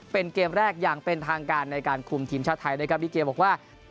เป็นเกมแรกอย่างเป็นทางการในการคุมทีมชาติไทยนะครับลิเกบอกว่า